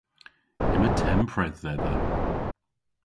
Yma tempredh dhedha.